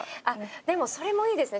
でもそれもいいですね。